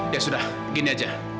ya sudah gini aja